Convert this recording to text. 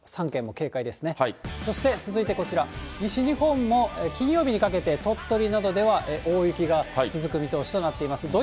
そして続いてこちら、西日本も金曜日にかけて、鳥取などでは大雪が続く見通しとなっています。